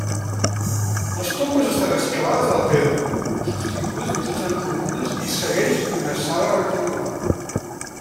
Les tombes estan excavades a la pedra, sostingudes mitjançant columnes i segueix una sala rectangular.